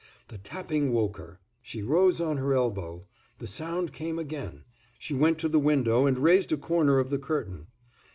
The tapping woke her; she rose on her elbow; the sound came again; she went to the window and raised a corner of the curtain.